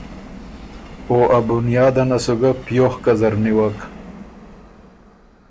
او ا بنیادنه سُو ګۀ پیوخکه زر نیوک